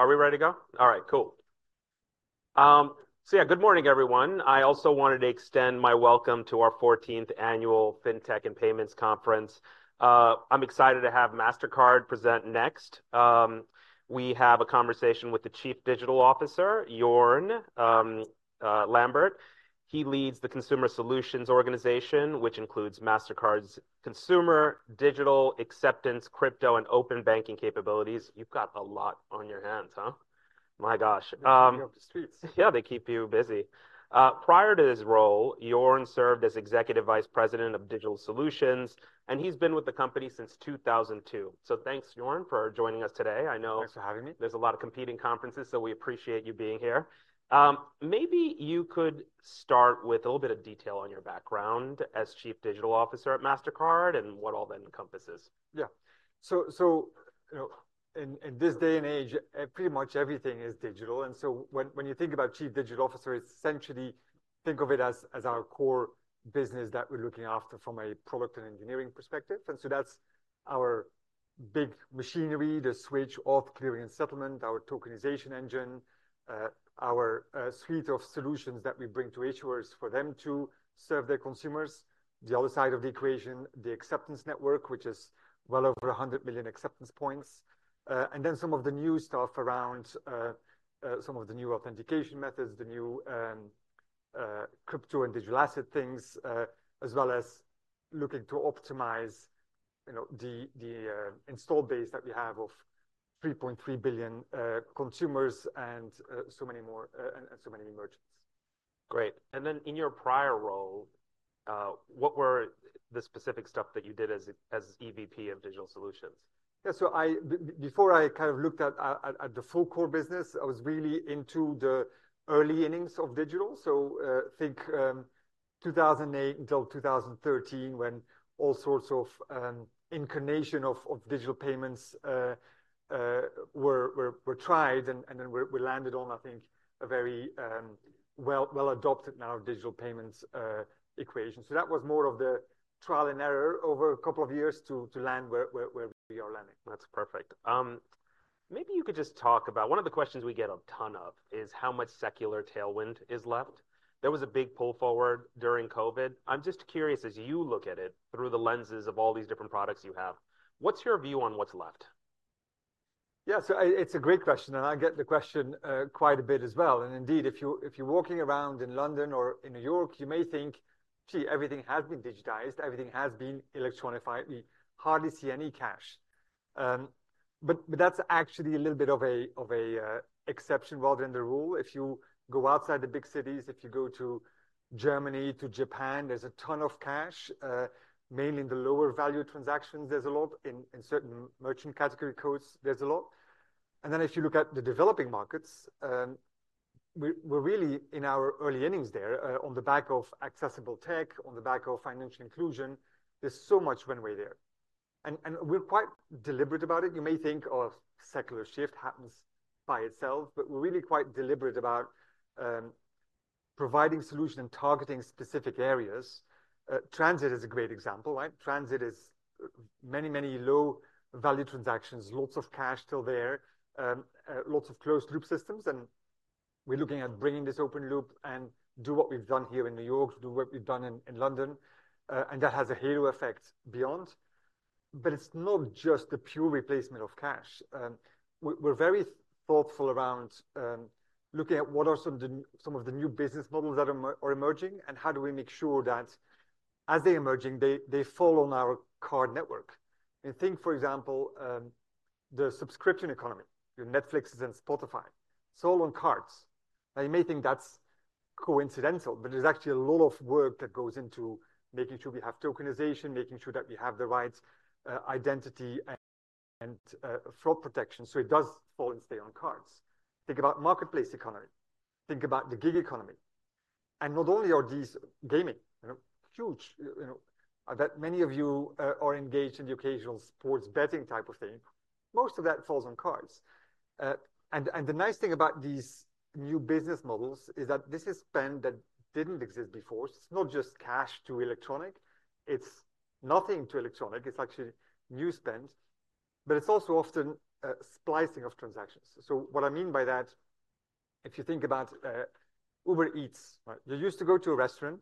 Are we ready to go? All right, cool. So yeah, good morning, everyone. I also wanted to extend my welcome to our 14th annual FinTech and Payments Conference. I'm excited to have Mastercard present next. We have a conversation with the Chief Digital Officer, Jorn Lambert. He leads the Consumer Solutions Organization, which includes Mastercard's consumer digital acceptance, crypto, and open banking capabilities. You've got a lot on your hands, huh? My gosh. Keeping me up to speed. Yeah, they keep you busy. Prior to his role, Jorn served as Executive Vice President of Digital Solutions, and he's been with the company since 2002. So thanks, Jorn, for joining us today. I know. Thanks for having me. There's a lot of competing conferences, so we appreciate you being here. Maybe you could start with a little bit of detail on your background as Chief Digital Officer at Mastercard and what all that encompasses. Yeah. So, you know, in this day and age, pretty much everything is digital. And so when you think about Chief Digital Officer, it's essentially think of it as our core business that we're looking after from a product and engineering perspective. And so that's our big machinery, the switch auth clearing and settlement, our tokenization engine, our suite of solutions that we bring to issuers for them to serve their consumers. The other side of the equation, the acceptance network, which is well over 100 million acceptance points, and then some of the new stuff around some of the new authentication methods, the new crypto and digital asset things, as well as looking to optimize. You know, the install base that we have of 3.3 billion consumers and so many more, and so many merchants. Great. And then in your prior role, what were the specific stuff that you did as EVP of Digital Solutions? Yeah, so before I kind of looked at the full core business, I was really into the early innings of digital. So, think 2008 until 2013 when all sorts of incarnation of digital payments were tried and then we landed on, I think, a very well adopted now digital payments equation. So that was more of the trial and error over a couple of years to land where we are landing. That's perfect. Maybe you could just talk about one of the questions we get a ton of is how much secular tailwind is left. There was a big pull forward during COVID. I'm just curious, as you look at it through the lenses of all these different products you have, what's your view on what's left? Yeah, so it's a great question and I get the question quite a bit as well. And indeed, if you, if you're walking around in London or in New York, you may think, gee, everything has been digitized, everything has been electronified, we hardly see any cash. But, but that's actually a little bit of a, of a, exception rather than the rule. If you go outside the big cities, if you go to Germany, to Japan, there's a ton of cash, mainly in the lower value transactions, there's a lot in, in certain merchant category codes, there's a lot. And then if you look at the developing markets, we're, we're really in our early innings there, on the back of accessible tech, on the back of financial inclusion. There's so much one way there. And, and we're quite deliberate about it. You may think of secular shift happens by itself, but we're really quite deliberate about providing solution and targeting specific areas. Transit is a great example, right? Transit is many, many low value transactions, lots of cash still there, lots of closed loop systems and we're looking at bringing this open loop and do what we've done here in New York, do what we've done in London. And that has a halo effect beyond. But it's not just the pure replacement of cash. We're very thoughtful around looking at what are some of the new business models that are emerging and how do we make sure that as they're emerging, they fall on our card network. And think, for example, the subscription economy, your Netflix and Spotify, it's all on cards. Now you may think that's coincidental, but there's actually a lot of work that goes into making sure we have tokenization, making sure that we have the right identity and fraud protection. So it does fall and stay on cards. Think about marketplace economy. Think about the gig economy. And not only are these gaming, you know, huge, you know, I bet many of you are engaged in the occasional sports betting type of thing. Most of that falls on cards. And the nice thing about these new business models is that this is spend that didn't exist before. So it's not just cash to electronic. It's nothing to electronic. It's actually new spend. But it's also often a splicing of transactions. So what I mean by that, if you think about Uber Eats, right, you used to go to a restaurant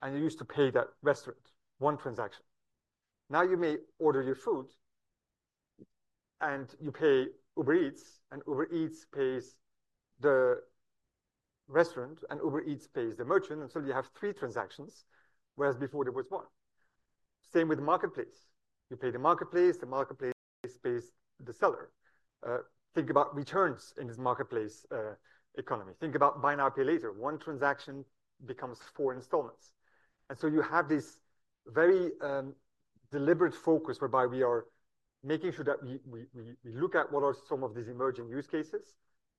and you used to pay that restaurant, one transaction. Now you may order your food. And you pay Uber Eats and Uber Eats pays the restaurant and Uber Eats pays the merchant and so you have three transactions. Whereas before there was one. Same with marketplace. You pay the marketplace, the marketplace pays the seller. Think about returns in this marketplace economy. Think about buy now pay later, one transaction becomes four installments. And so you have this very deliberate focus whereby we are making sure that we look at what are some of these emerging use cases.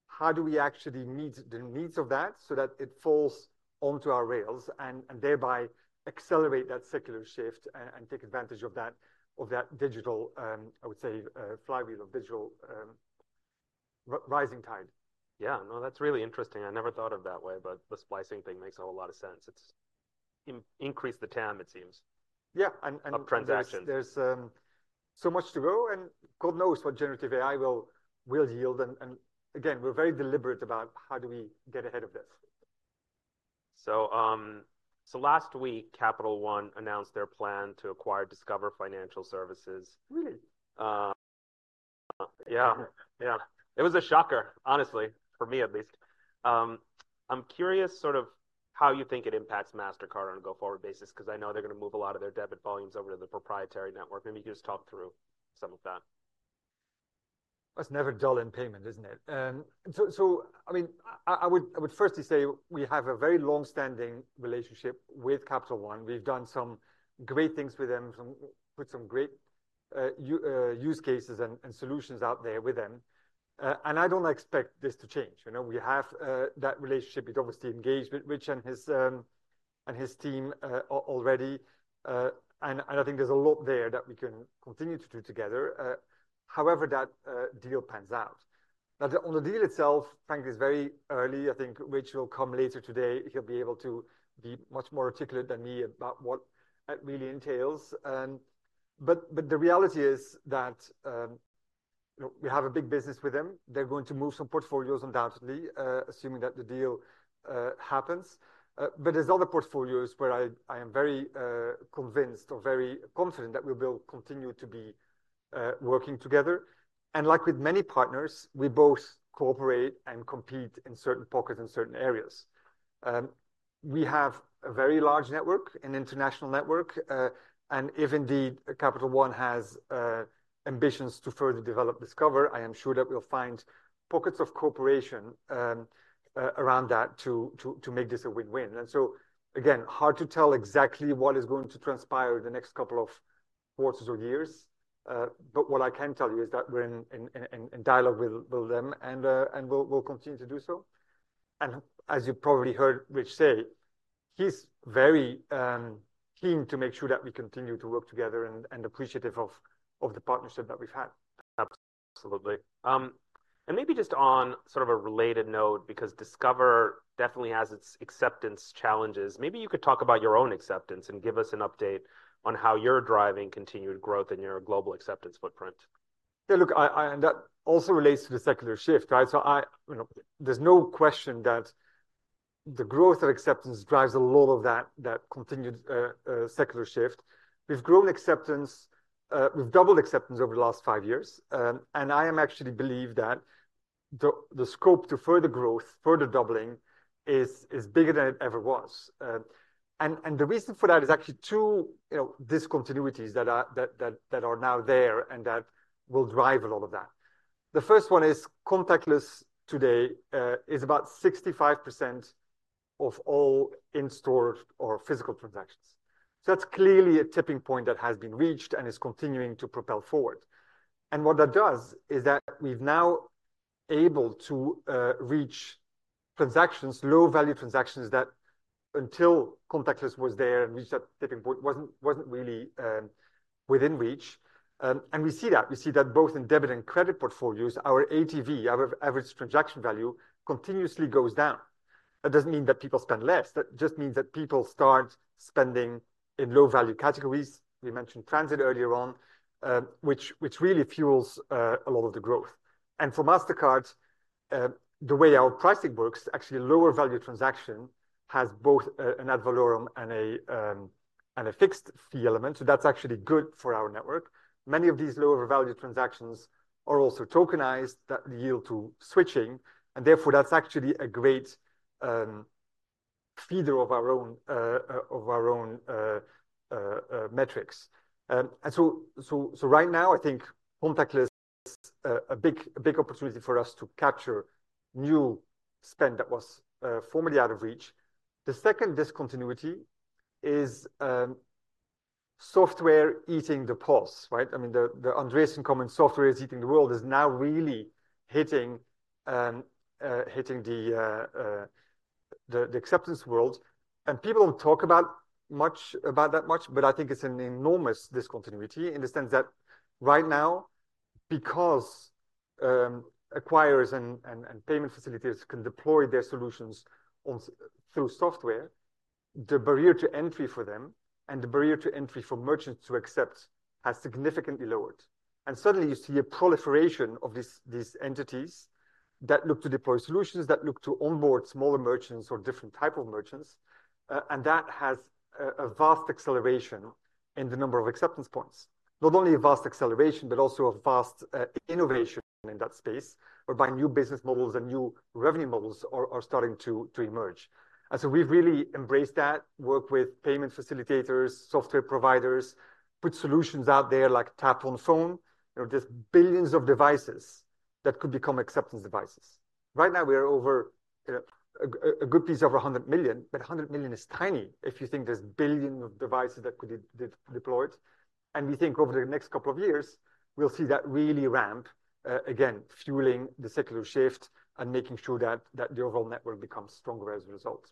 How do we actually meet the needs of that so that it falls onto our rails and, and thereby accelerate that secular shift and, and take advantage of that, of that digital, I would say, flywheel of digital rising tide? Yeah, no, that's really interesting. I never thought of that way, but the splicing thing makes a whole lot of sense. It's increased the TAM, it seems. Yeah, and there's so much to go, and God knows what generative AI will yield. And again, we're very deliberate about how we get ahead of this. So, last week Capital One announced their plan to acquire Discover Financial Services. Really? Yeah, yeah. It was a shocker, honestly, for me at least. I'm curious sort of how you think it impacts Mastercard on a go forward basis because I know they're going to move a lot of their debit volumes over to the proprietary network. Maybe you could just talk through some of that. That's never dull in payments, isn't it? So, I mean, I would firstly say we have a very longstanding relationship with Capital One. We've done some great things with them, some pretty great use cases and solutions out there with them. I don't expect this to change. You know, we have that relationship. We've obviously engaged with Richard and his team already. And I think there's a lot there that we can continue to do together, however that deal pans out. Now on the deal itself, frankly, it's very early. I think Richard will come later today. He'll be able to be much more articulate than me about what it really entails. But the reality is that, you know, we have a big business with them. They're going to move some portfolios undoubtedly, assuming that the deal happens. But there's other portfolios where I, I am very convinced or very confident that we'll continue to be working together. And like with many partners, we both cooperate and compete in certain pockets in certain areas. We have a very large network, an international network. And if indeed Capital One has ambitions to further develop Discover, I am sure that we'll find pockets of cooperation around that to make this a win-win. And so again, hard to tell exactly what is going to transpire the next couple of quarters or years. But what I can tell you is that we're in dialogue with them and we'll continue to do so. And as you probably heard Rich say, he's very keen to make sure that we continue to work together and appreciative of the partnership that we've had. Absolutely. And maybe just on sort of a related note, because Discover definitely has its acceptance challenges. Maybe you could talk about your own acceptance and give us an update on how you're driving continued growth in your global acceptance footprint. Yeah, look, I and that also relates to the secular shift, right? So I, you know, there's no question that the growth of acceptance drives a lot of that continued secular shift. We've grown acceptance. We've doubled acceptance over the last five years. I actually believe that the scope to further growth, further doubling is bigger than it ever was. And the reason for that is actually two, you know, discontinuities that are now there and that will drive a lot of that. The first one is contactless today is about 65% of all in-store or physical transactions. So that's clearly a tipping point that has been reached and is continuing to propel forward. And what that does is that we've now able to reach transactions, low value transactions that until contactless was there and reached that tipping point wasn't really within reach. And we see that, we see that both in debit and credit portfolios, our ATV, our average transaction value continuously goes down. That doesn't mean that people spend less. That just means that people start spending in low value categories. We mentioned transit earlier on, which really fuels a lot of the growth. And for Mastercard, the way our pricing works, actually a lower value transaction has both an ad valorem and a fixed fee element. So that's actually good for our network. Many of these lower value transactions are also tokenized that yield to switching and therefore that's actually a great feeder of our own metrics. So right now I think contactless is a big opportunity for us to capture new spend that was formerly out of reach. The second discontinuity is software eating the world, right? I mean, the Andreessen's software is eating the world is now really hitting the acceptance world. And people don't talk about that much, but I think it's an enormous discontinuity in the sense that right now, because acquirers and payment facilitators can deploy their solutions through software, the barrier to entry for them and the barrier to entry for merchants to accept has significantly lowered. And suddenly you see a proliferation of these entities that look to deploy solutions that look to onboard smaller merchants or different type of merchants, and that has a vast acceleration in the number of acceptance points. Not only a vast acceleration, but also a vast innovation in that space whereby new business models and new revenue models are starting to emerge. And so we've really embraced that, worked with payment facilitators, software providers, put solutions out there like Tap on Phone, you know, there's billions of devices that could become acceptance devices. Right now we are over, you know, a good piece over 100 million, but 100 million is tiny if you think there's billions of devices that could be deployed. And we think over the next couple of years, we'll see that really ramp, again, fueling the secular shift and making sure that the overall network becomes stronger as a result.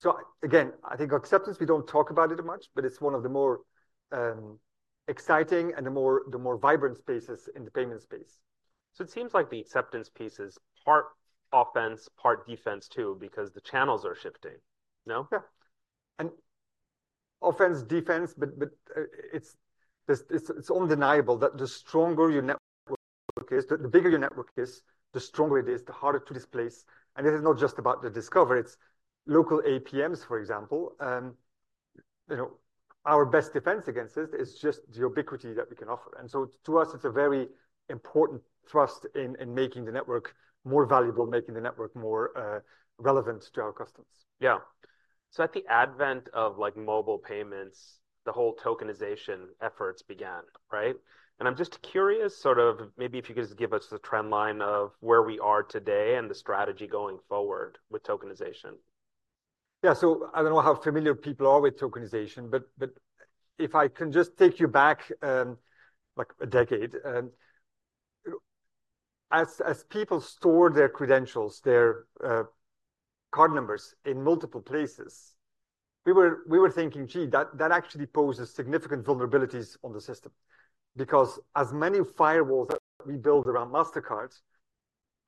So again, I think acceptance, we don't talk about it much, but it's one of the more exciting and the more vibrant spaces in the payment space. So it seems like the acceptance piece is part offense, part defense too, because the channels are shifting. No? Yeah. And offense, defense, but it's undeniable that the stronger your network is, the bigger your network is, the stronger it is, the harder to displace. And this is not just about the Discover. It's local APMs, for example. You know, our best defense against this is just the ubiquity that we can offer. And so to us, it's a very important thrust in making the network more valuable, making the network more relevant to our customers. Yeah. So at the advent of like mobile payments, the whole tokenization efforts began, right? And I'm just curious sort of maybe if you could just give us the trendline of where we are today and the strategy going forward with tokenization. Yeah, so I don't know how familiar people are with tokenization, but if I can just take you back, like a decade. As people store their credentials, their card numbers in multiple places. We were thinking, gee, that actually poses significant vulnerabilities on the system. Because as many firewalls that we build around Mastercard,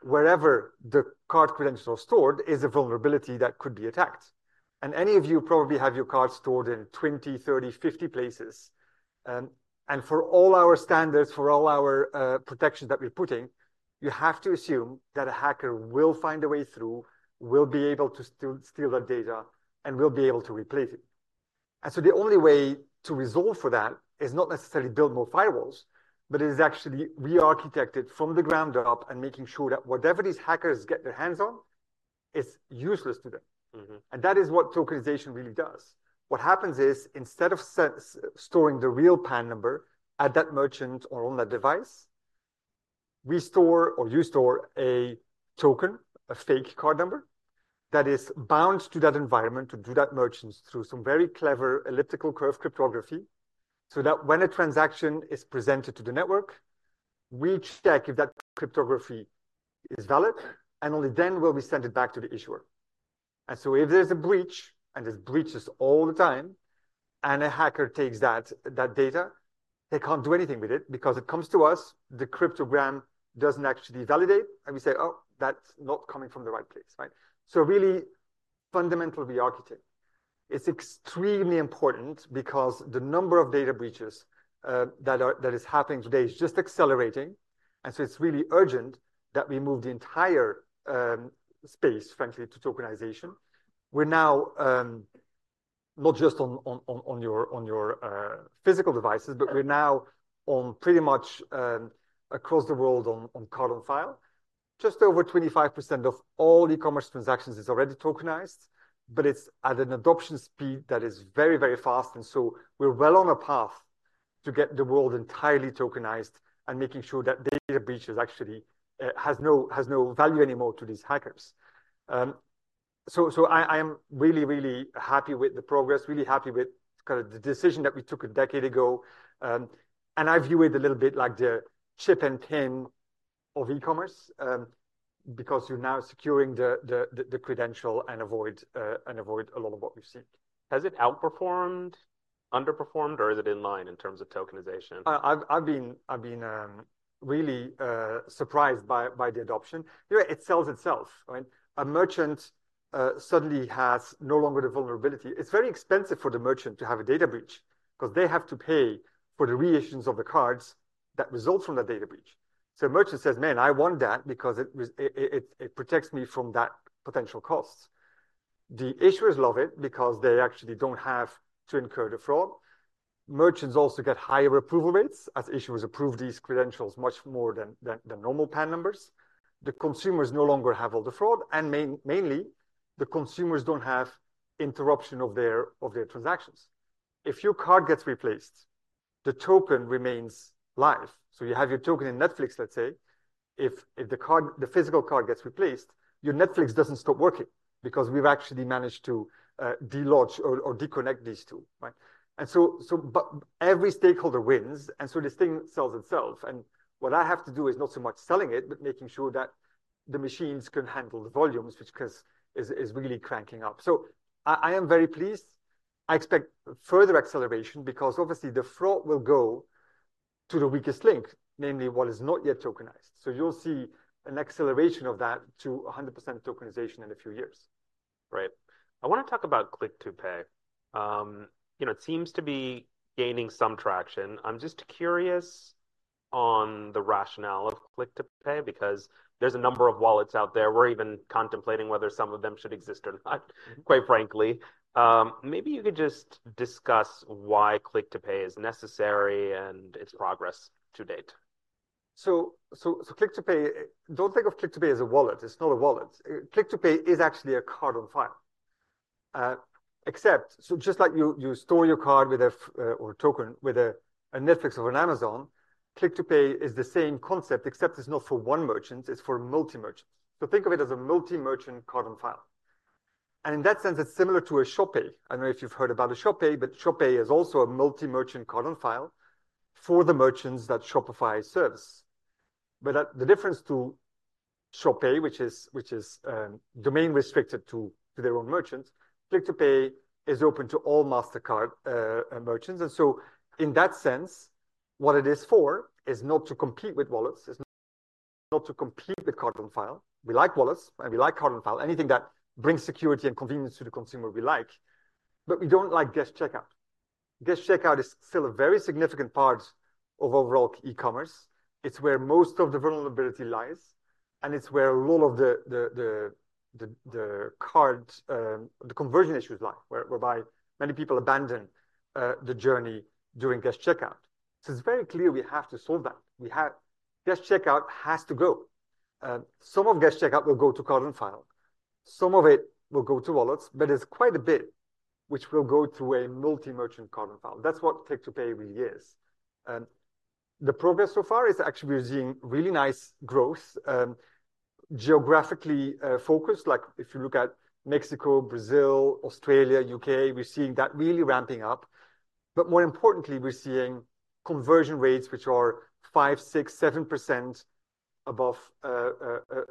wherever the card credentials are stored is a vulnerability that could be attacked. And any of you probably have your card stored in 20, 30, 50 places. And for all our standards, for all our protections that we're putting, you have to assume that a hacker will find a way through, will be able to steal that data, and will be able to replace it. And so the only way to resolve for that is not necessarily build more firewalls. But it is actually re-architected from the ground up and making sure that whatever these hackers get their hands on, it's useless to them. And that is what tokenization really does. What happens is instead of storing the real PAN number at that merchant or on that device, we store or you store a token, a fake card number that is bound to that environment to do that merchants through some very clever elliptical curve cryptography. So that when a transaction is presented to the network, we check if that cryptography is valid, and only then will we send it back to the issuer. And so if there's a breach, and this breaches all the time, and a hacker takes that data, they can't do anything with it because it comes to us, the cryptogram doesn't actually validate, and we say, oh, that's not coming from the right place, right? So really fundamental re-architecture. It's extremely important because the number of data breaches that is happening today is just accelerating. And so it's really urgent that we move the entire space, frankly, to tokenization. We're now not just on your physical devices, but we're now on pretty much across the world on card on file. Just over 25% of all e-commerce transactions is already tokenized. But it's at an adoption speed that is very, very fast. So we're well on a path to get the world entirely tokenized and making sure that data breaches actually has no value anymore to these hackers. So I am really, really happy with the progress, really happy with kind of the decision that we took a decade ago. I view it a little bit like the chip and pin of e-commerce. Because you're now securing the credential and avoid a lot of what we've seen. Has it outperformed, underperformed, or is it in line in terms of tokenization? I've been really surprised by the adoption. You know, it sells itself, right? A merchant suddenly has no longer the vulnerability. It's very expensive for the merchant to have a data breach because they have to pay for the reissuance of the cards that results from that data breach. So a merchant says, man, I want that because it protects me from that potential cost. The issuers love it because they actually don't have to incur the fraud. Merchants also get higher approval rates as issuers approve these credentials much more than normal PAN numbers. The consumers no longer have all the fraud, and mainly the consumers don't have interruption of their transactions. If your card gets replaced, the token remains live. So you have your token in Netflix, let's say. If the physical card gets replaced, your Netflix doesn't stop working because we've actually managed to de-launch or disconnect these two, right? But every stakeholder wins, and so this thing sells itself. What I have to do is not so much selling it, but making sure that the machines can handle the volumes, which is really cranking up. So I am very pleased. I expect further acceleration because obviously the fraud will go to the weakest link, namely what is not yet tokenized. So you'll see an acceleration of that to 100% tokenization in a few years. Right. I want to talk about Click to Pay. You know, it seems to be gaining some traction. I'm just curious on the rationale of Click to Pay because there's a number of wallets out there. We're even contemplating whether some of them should exist or not, quite frankly. Maybe you could just discuss why Click to Pay is necessary and its progress to date. So, Click to Pay—don't think of Click to Pay as a wallet. It's not a wallet. Click to Pay is actually a card on file, except, so just like you store your card with a Netflix or an Amazon, Click to Pay is the same concept, except it's not for one merchant, it's for multi-merchants. So think of it as a multi-merchant card on file. And in that sense, it's similar to Shop Pay. I don't know if you've heard about Shop Pay, but Shop Pay is also a multi-merchant card on file for the merchants that Shopify serves. But the difference to Shop Pay, which is domain restricted to their own merchants, Click to Pay is open to all Mastercard merchants. And so in that sense, what it is for is not to compete with wallets. It's not to compete with card on file. We like wallets and we like card on file, anything that brings security and convenience to the consumer we like. But we don't like guest checkout. Guest checkout is still a very significant part of overall e-commerce. It's where most of the vulnerability lies. And it's where a lot of the card conversion issues lie whereby many people abandon the journey during guest checkout. So it's very clear we have to solve that. Guest checkout has to go. Some of guest checkout will go to card on file. Some of it will go to wallets, but it's quite a bit which will go through a multi-merchant card on file. That's what Click to Pay really is. The progress so far is actually we're seeing really nice growth. Geographically focused, like if you look at Mexico, Brazil, Australia, UK, we're seeing that really ramping up. But more importantly, we're seeing conversion rates which are 5%-7% above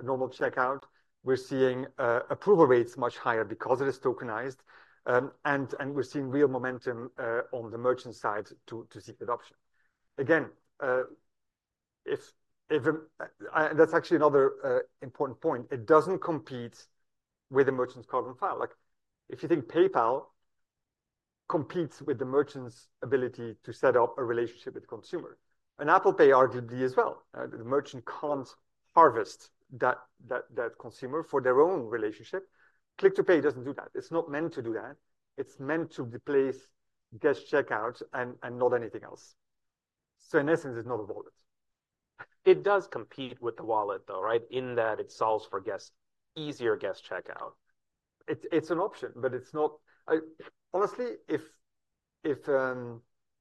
normal checkout. We're seeing approval rates much higher because it is tokenized. And we're seeing real momentum on the merchant side to seek adoption. Again, if that's actually another important point, it doesn't compete with a merchant's card on file. Like if you think PayPal competes with the merchant's ability to set up a relationship with the consumer. And Apple Pay arguably as well. The merchant can't harvest that consumer for their own relationship. Click to Pay doesn't do that. It's not meant to do that. It's meant to replace guest checkout and not anything else. So in essence, it's not a wallet. It does compete with the wallet though, right? In that it solves for easier guest checkout. It's an option, but it's not. I honestly, if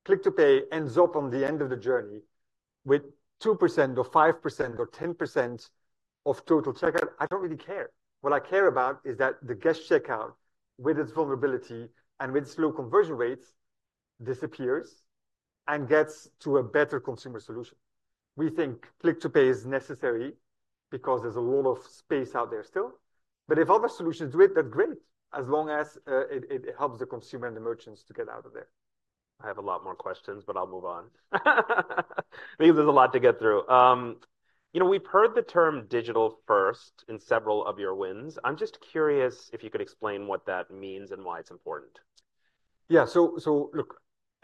Click to Pay ends up on the end of the journey with 2% or 5% or 10% of total checkout, I don't really care. What I care about is that the guest checkout with its vulnerability and with its low conversion rates disappears and gets to a better consumer solution. We think Click to Pay is necessary because there's a lot of space out there still. But if other solutions do it, that's great, as long as it helps the consumer and the merchants to get out of there. I have a lot more questions, but I'll move on. I think there's a lot to get through. You know, we've heard the term Digital First in several of your wins. I'm just curious if you could explain what that means and why it's important. Yeah, so, so look,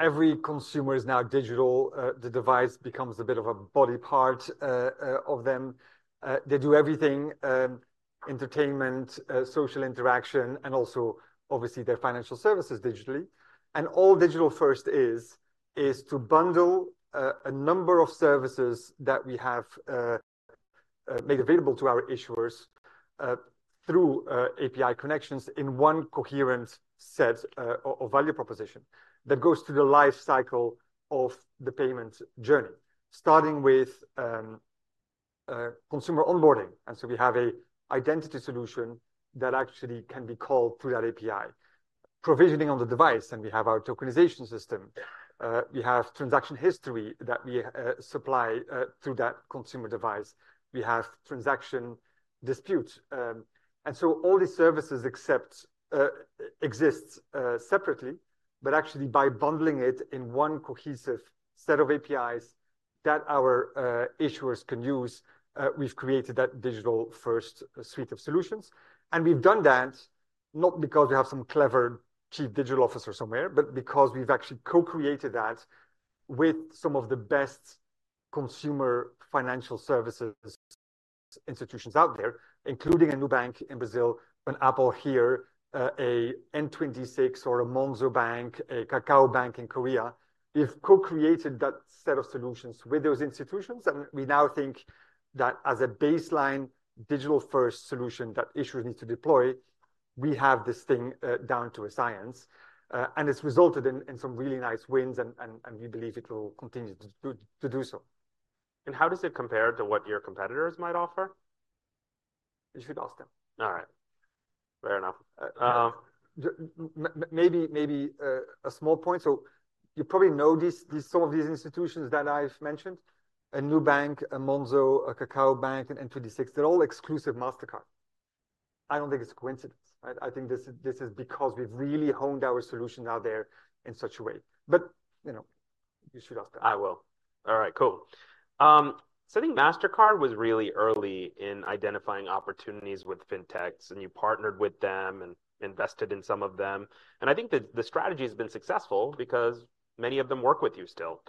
every consumer is now digital. The device becomes a bit of a body part, of them. They do everything. Entertainment, social interaction, and also obviously their financial services digitally. And all Digital First is, is to bundle, a number of services that we have, made available to our issuers, through, API connections in one coherent set, or value proposition that goes through the lifecycle of the payment journey, starting with, consumer onboarding. And so we have an identity solution that actually can be called through that API. Provisioning on the device, and we have our tokenization system. We have transaction history that we, supply, through that consumer device. We have transaction disputes. And so all these services except, exist, separately, but actually by bundling it in one cohesive set of APIs that our, issuers can use, we've created that Digital First suite of solutions. We've done that not because we have some clever chief digital officer somewhere, but because we've actually co-created that with some of the best consumer financial services institutions out there, including a new bank in Brazil, an Apple here, an N26 or a Monzo Bank, a KakaoBank in Korea. We've co-created that set of solutions with those institutions, and we now think that as a baseline Digital First solution that issuers need to deploy, we have this thing down to a science. And it's resulted in some really nice wins, and we believe it will continue to do so. How does it compare to what your competitors might offer? You should ask them. All right. Fair enough. Maybe, maybe, a small point. So you probably know these, some of these institutions that I've mentioned. Nubank, a Monzo, a KakaoBank, an N26, they're all exclusive Mastercard. I don't think it's a coincidence, right? I think this is because we've really honed our solution out there in such a way. But you know, you should ask them. I will. All right, cool. I think Mastercard was really early in identifying opportunities with fintechs, and you partnered with them and invested in some of them. I think that the strategy has been successful because many of them work with you still.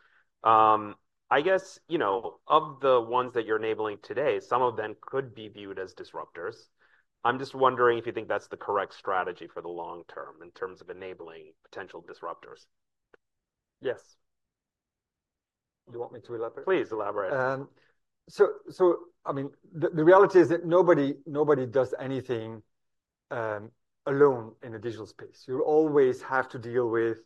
I guess, you know, of the ones that you're enabling today, some of them could be viewed as disruptors. I'm just wondering if you think that's the correct strategy for the long term in terms of enabling potential disruptors. Yes. Do you want me to elaborate? Please elaborate. I mean, the reality is that nobody does anything alone in a digital space. You always have to deal with,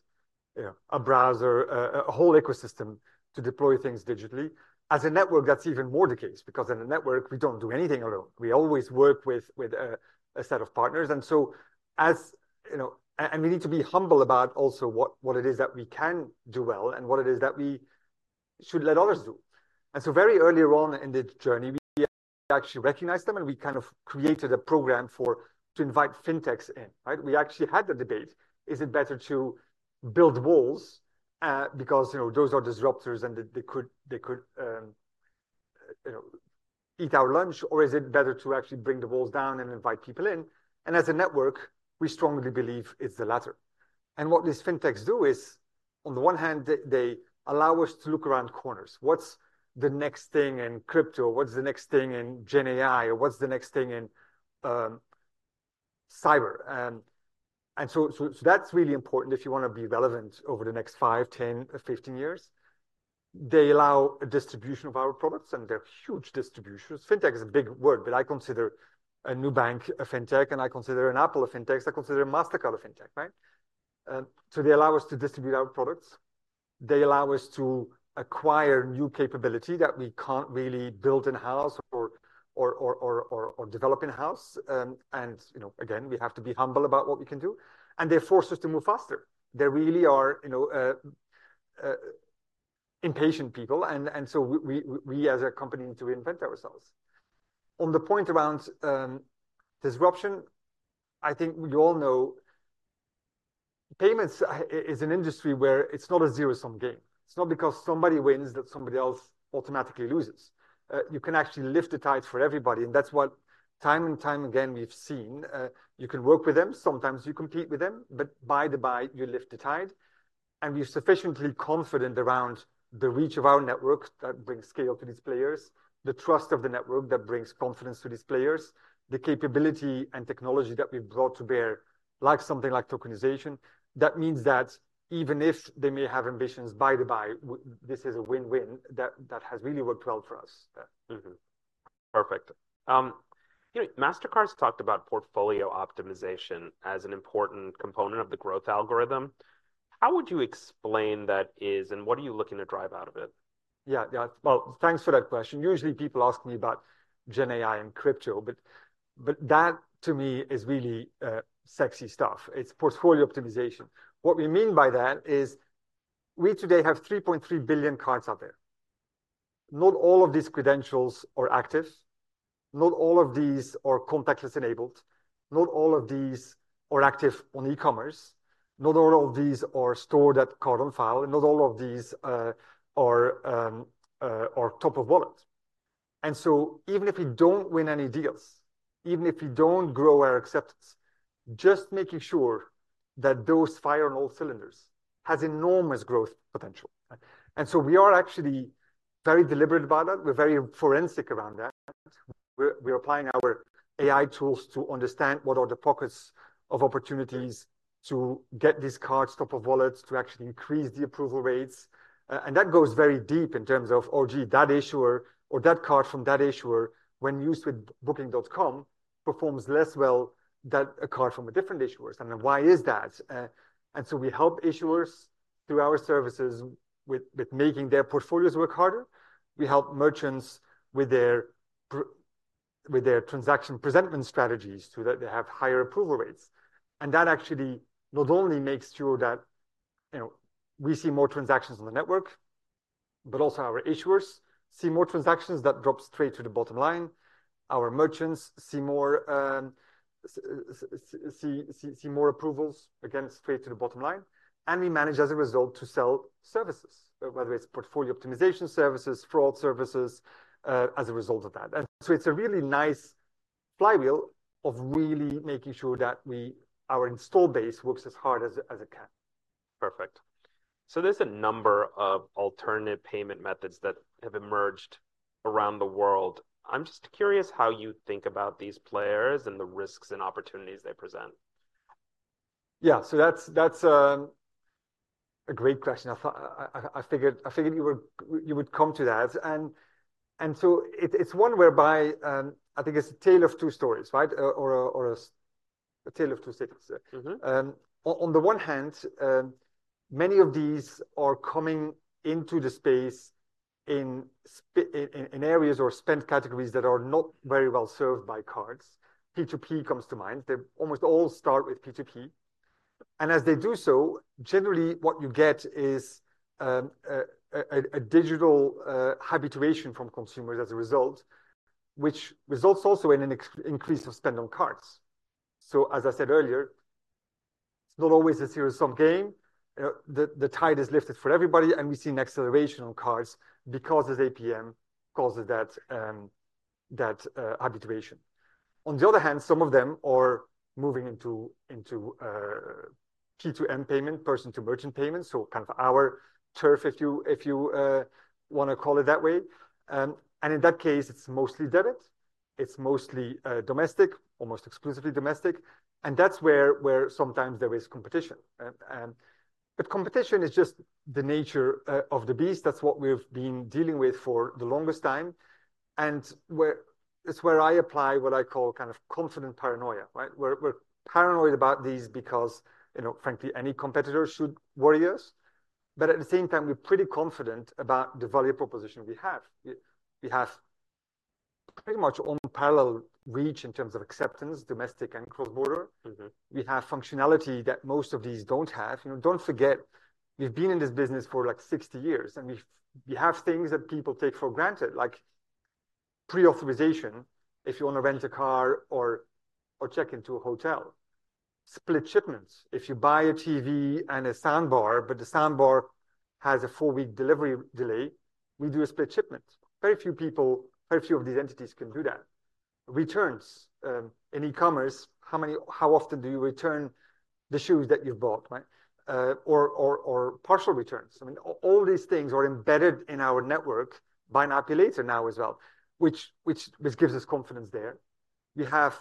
you know, a browser, a whole ecosystem to deploy things digitally. As a network, that's even more the case because in a network we don't do anything alone. We always work with a set of partners. And so as you know, we need to be humble about also what it is that we can do well and what it is that we should let others do. And so very early on in the journey, we actually recognized them and we kind of created a program to invite fintechs in, right? We actually had the debate, is it better to build walls? Because, you know, those are disruptors and they could, they could, you know, eat our lunch, or is it better to actually bring the walls down and invite people in? As a network, we strongly believe it's the latter. What these fintechs do is, on the one hand, they allow us to look around corners. What's the next thing in crypto? What's the next thing in Gen AI? Or what's the next thing in cyber? So, so, so that's really important if you want to be relevant over the next five, 10, 15 years. They allow a distribution of our products and they're huge distributors. Fintech is a big word, but I consider a new bank a fintech and I consider an Apple a fintech. I consider a Mastercard a fintech, right? They allow us to distribute our products. They allow us to acquire new capability that we can't really build in-house or develop in-house. You know, again, we have to be humble about what we can do. They force us to move faster. They really are, you know, impatient people and so we as a company need to reinvent ourselves. On the point around disruption, I think we all know payments is an industry where it's not a zero-sum game. It's not because somebody wins that somebody else automatically loses. You can actually lift the tide for everybody, and that's what time and time again we've seen. You can work with them, sometimes you compete with them, but by and by you lift the tide. We're sufficiently confident around the reach of our network that brings scale to these players. The trust of the network that brings confidence to these players. The capability and technology that we've brought to bear like something like tokenization. That means that even if they may have ambitions by the buy, this is a win-win that that has really worked well for us. Perfect. You know, Mastercard's talked about portfolio optimization as an important component of the growth algorithm. How would you explain that is and what are you looking to drive out of it? Yeah, yeah, well, thanks for that question. Usually people ask me about Gen AI and crypto, but that to me is really sexy stuff. It's portfolio optimization. What we mean by that is we today have 3.3 billion cards out there. Not all of these credentials are active. Not all of these are contactless enabled. Not all of these are active on e-commerce. Not all of these are stored at card on file. Not all of these are top of wallet. And so even if we don't win any deals, even if we don't grow our acceptance, just making sure that those fire on all cylinders has enormous growth potential. And so we are actually very deliberate about that. We're very forensic around that. We're applying our AI tools to understand what are the pockets of opportunities to get these cards top of wallets to actually increase the approval rates. That goes very deep in terms of, oh gee, that issuer or that card from that issuer when used with Booking.com performs less well than a card from a different issuer. And then why is that? So we help issuers through our services with making their portfolios work harder. We help merchants with their transaction presentment strategies so that they have higher approval rates. That actually not only makes sure that, you know, we see more transactions on the network. But also our issuers see more transactions that drop straight to the bottom line. Our merchants see more approvals again straight to the bottom line. We manage as a result to sell services, whether it's portfolio optimization services, fraud services, as a result of that. So it's a really nice flywheel of really making sure that our install base works as hard as it can. Perfect. So there's a number of alternative payment methods that have emerged around the world. I'm just curious how you think about these players and the risks and opportunities they present. Yeah, so that's a great question. I thought I figured you would come to that. And so it's one whereby I think it's a tale of two stories, right? Or a tale of two cities. On the one hand, many of these are coming into the space in areas or spend categories that are not very well served by cards. P2P comes to mind. They almost all start with P2P. And as they do so, generally what you get is a digital habituation from consumers as a result. Which results also in an increase of spend on cards. So as I said earlier, it's not always a zero-sum game. The tide is lifted for everybody and we see an acceleration on cards because this APM causes that habituation. On the other hand, some of them are moving into P2M payment, person to merchant payment, so kind of our turf if you if you want to call it that way. And in that case, it's mostly debit. It's mostly domestic, almost exclusively domestic. And that's where, where sometimes there is competition. But competition is just the nature of the beast. That's what we've been dealing with for the longest time. And where it's where I apply what I call kind of confident paranoia, right? We're, we're paranoid about these because, you know, frankly, any competitor should worry us. But at the same time, we're pretty confident about the value proposition we have. We have pretty much on parallel reach in terms of acceptance, domestic and cross-border. We have functionality that most of these don't have. You know, don't forget. We've been in this business for like 60 years and we have things that people take for granted, like pre-authorization if you want to rent a car or check into a hotel. Split shipments. If you buy a TV and a soundbar, but the soundbar has a 4-week delivery delay, we do a split shipment. Very few people, very few of these entities can do that. Returns. In e-commerce, how many, how often do you return the shoes that you've bought, right? Or partial returns. I mean, all these things are embedded in our network by an API layer now as well, which gives us confidence there. We have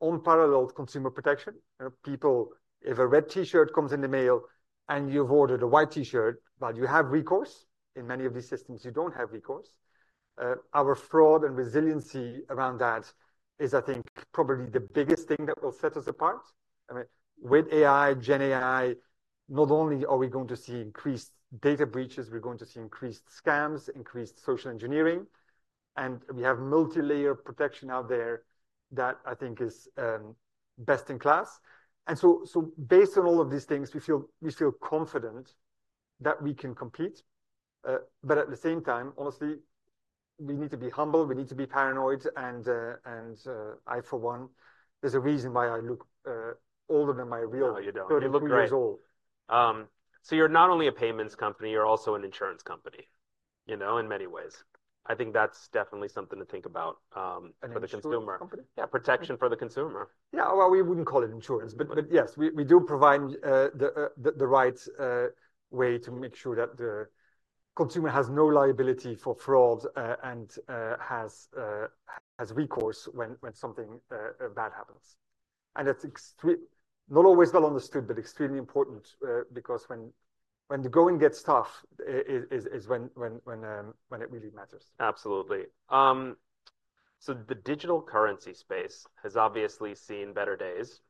unparalleled consumer protection. You know, people, if a red T-shirt comes in the mail and you've ordered a white T-shirt, well, you have recourse. In many of these systems, you don't have recourse. Our fraud and resiliency around that is, I think, probably the biggest thing that will set us apart. I mean, with AI, Gen AI, not only are we going to see increased data breaches, we're going to see increased scams, increased social engineering. We have multi-layer protection out there that I think is best in class. So, so based on all of these things, we feel, we feel confident that we can compete. But at the same time, honestly, we need to be humble. We need to be paranoid and, and I for one, there's a reason why I look older than my real 30-year-old. Oh, you don't. So you're not only a payments company, you're also an insurance company. You know, in many ways. I think that's definitely something to think about for the consumer. Yeah, protection for the consumer. Yeah, well, we wouldn't call it insurance, but yes, we do provide the right way to make sure that the consumer has no liability for fraud and has recourse when something bad happens. And it's not always well understood, but extremely important because when the going gets tough is when it really matters. Absolutely. So the digital currency space has obviously seen better days.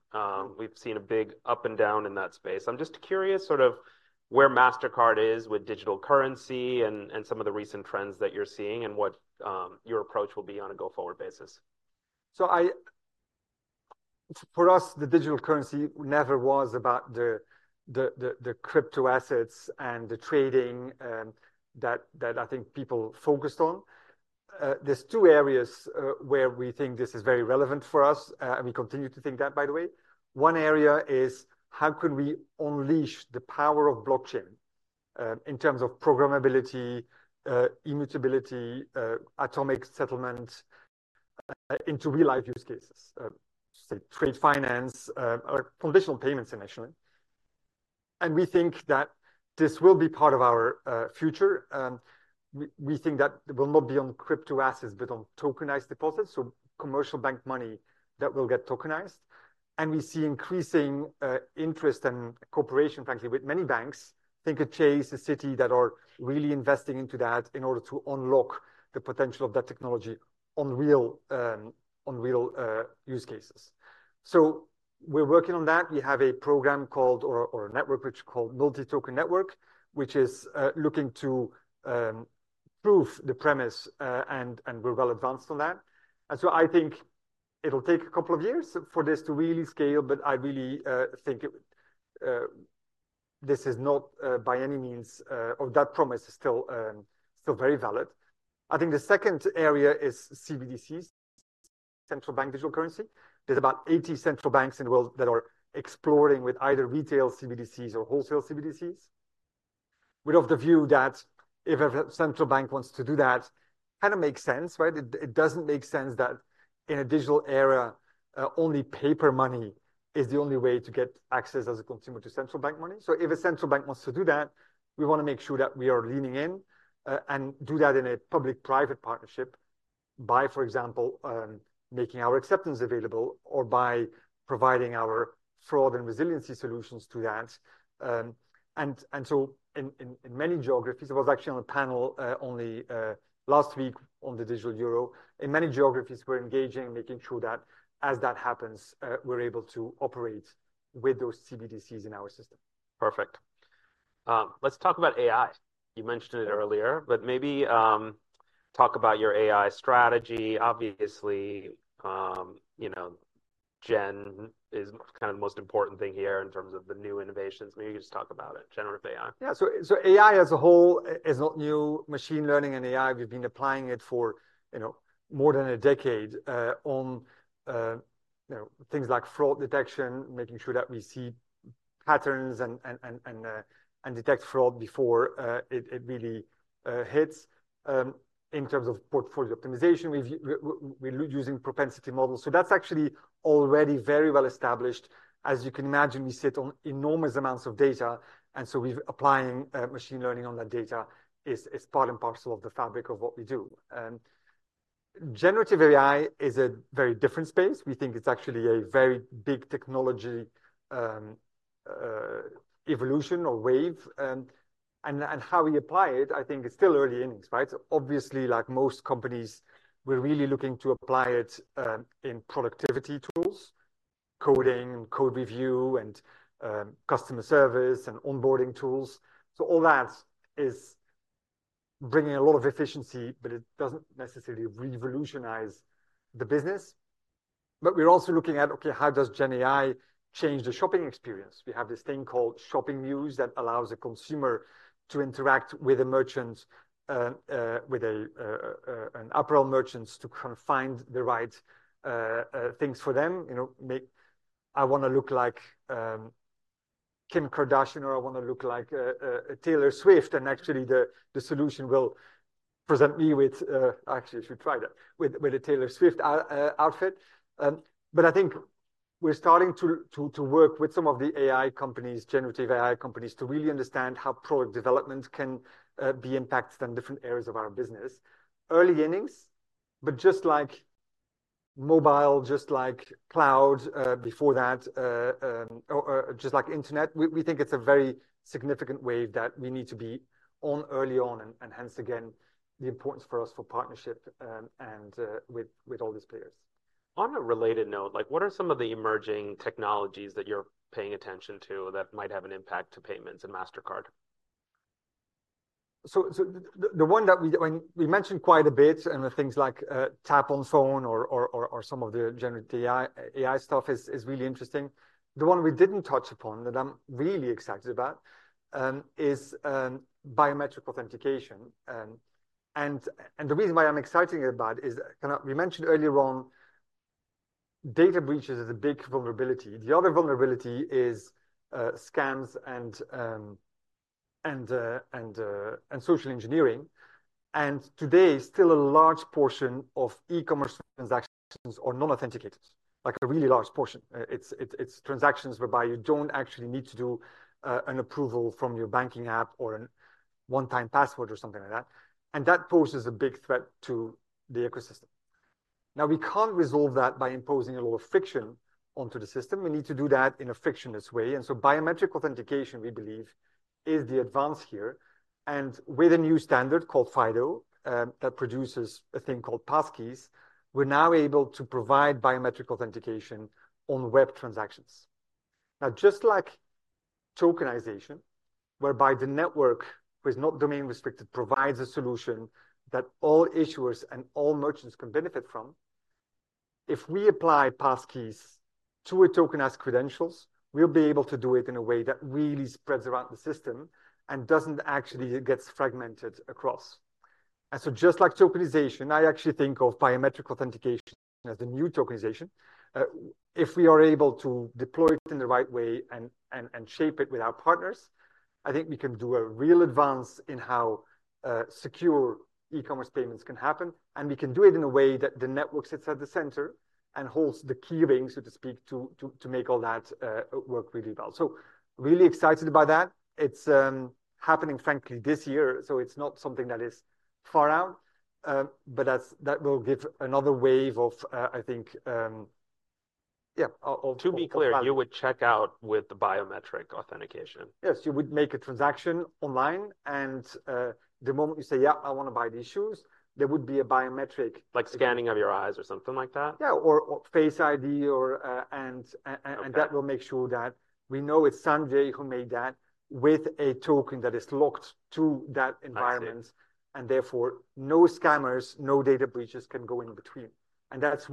We've seen a big up and down in that space. I'm just curious sort of where Mastercard is with digital currency and, and some of the recent trends that you're seeing and what your approach will be on a go-forward basis? So, for us, the digital currency never was about the crypto assets and the trading that I think people focused on. There's two areas where we think this is very relevant for us, and we continue to think that, by the way. One area is how can we unleash the power of blockchain in terms of programmability, immutability, atomic settlement into real-life use cases. Say trade finance, or conditional payments initially. And we think that this will be part of our future. We think that will not be on crypto assets, but on tokenized deposits, so commercial bank money that will get tokenized. And we see increasing interest and cooperation, frankly, with many banks. Think of Chase, Citi that are really investing into that in order to unlock the potential of that technology on real use cases. So we're working on that. We have a program called or a network which is called Multi Token Network, which is looking to prove the premise and, and we're well advanced on that. And so I think it'll take a couple of years for this to really scale, but I really think this is not by any means, or that promise is still, still very valid. I think the second area is CBDCs. Central bank digital currency. There's about 80 central banks in the world that are exploring with either retail CBDCs or wholesale CBDCs. With the view that if a central bank wants to do that, kind of makes sense, right? It doesn't make sense that in a digital era, only paper money is the only way to get access as a consumer to central bank money. So if a central bank wants to do that, we want to make sure that we are leaning in and do that in a public-private partnership. By, for example, making our acceptance available or by providing our fraud and resiliency solutions to that. And so in many geographies, I was actually on a panel only last week on the digital euro. In many geographies, we're engaging, making sure that as that happens, we're able to operate with those CBDCs in our system. Perfect. Let's talk about AI. You mentioned it earlier, but maybe talk about your AI strategy. Obviously, you know, Gen is kind of the most important thing here in terms of the new innovations. Maybe you could just talk about it, generative AI. Yeah, so AI as a whole is not new. Machine learning and AI, we've been applying it for, you know, more than a decade on, you know, things like fraud detection, making sure that we see patterns and detect fraud before it really hits. In terms of portfolio optimization, we're using propensity models. So that's actually already very well established. As you can imagine, we sit on enormous amounts of data. And so we've applying machine learning on that data is part and parcel of the fabric of what we do. Generative AI is a very different space. We think it's actually a very big technology evolution or wave. And how we apply it, I think it's still early innings, right? So obviously, like most companies, we're really looking to apply it in productivity tools. Coding and code review and customer service and onboarding tools. So all that is bringing a lot of efficiency, but it doesn't necessarily revolutionize the business. But we're also looking at, okay, how does Gen AI change the shopping experience? We have this thing called Shopping Muse that allows a consumer to interact with a merchant, with an our-owned merchant to kind of find the right things for them, you know, make. I want to look like Kim Kardashian, or I want to look like Taylor Swift, and actually the solution will present me with actually I should try that with a Taylor Swift outfit. But I think we're starting to work with some of the AI companies, generative AI companies, to really understand how product development can be impacted in different areas of our business. Early innings. But just like mobile, just like cloud before that, or just like internet, we think it's a very significant wave that we need to be on early on, and hence again, the importance for us for partnership and with all these players. On a related note, like what are some of the emerging technologies that you're paying attention to that might have an impact to payments and Mastercard? So the one that we when we mentioned quite a bit and the things like Tap on Phone or some of the generative AI stuff is really interesting. The one we didn't touch upon that I'm really excited about is biometric authentication. And the reason why I'm excited about is kind of we mentioned earlier on. Data breaches is a big vulnerability. The other vulnerability is scams and social engineering. And today, still a large portion of e-commerce transactions are non-authenticated. Like a really large portion. It's transactions whereby you don't actually need to do an approval from your banking app or a one-time password or something like that. And that poses a big threat to the ecosystem. Now we can't resolve that by imposing a lot of friction onto the system. We need to do that in a frictionless way. And so biometric authentication, we believe, is the advance here. And with a new standard called FIDO that produces a thing called passkeys, we're now able to provide biometric authentication on web transactions. Now just like tokenization, whereby the network, who is not domain restricted, provides a solution that all issuers and all merchants can benefit from. If we apply passkeys to a tokenized credentials, we'll be able to do it in a way that really spreads around the system and doesn't actually get fragmented across. And so just like tokenization, I actually think of biometric authentication as the new tokenization. If we are able to deploy it in the right way and shape it with our partners, I think we can do a real advance in how secure e-commerce payments can happen, and we can do it in a way that the network sits at the center and holds the key rings, so to speak, to make all that work really well. So really excited about that. It's happening, frankly, this year. So it's not something that is far out. But that's, that will give another wave of, I think. Yeah, to be clear, you would check out with the biometric authentication. Yes, you would make a transaction online, and the moment you say, yeah, I want to buy the issues, there would be a biometric. Like scanning of your eyes or something like that. Yeah, or Face ID, and that will make sure that we know it's Sanjay who made that with a token that is locked to that environment. And therefore, no scammers, no data breaches can go in between. And that's we.